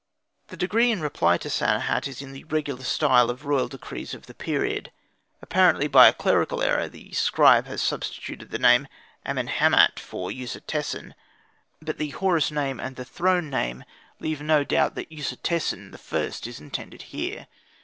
The decree in reply to Sanehat is in the regular style of royal decrees of the period. Apparently by a clerical error the scribe has substituted the name Amenemhat for Userte sen, but the Horus name and the throne name leave no doubt that Usertesen I. is intended here.